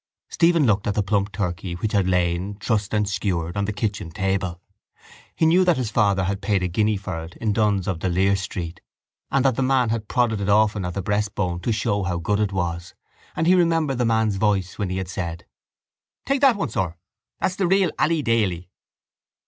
Stephen looked at the plump turkey which had lain, trussed and skewered, on the kitchen table. He knew that his father had paid a guinea for it in Dunn's of D'Olier Street and that the man had prodded it often at the breastbone to show how good it was: and he remembered the man's voice when he had said: —Take that one, sir. That's the real Ally Daly.